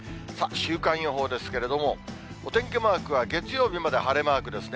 週間予報ですけれども、お天気マークは月曜日まで晴れマークですね。